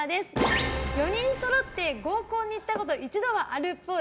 ４人そろって合コンに行ったこと一度はあるっぽい。